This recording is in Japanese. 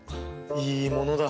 いいものだ。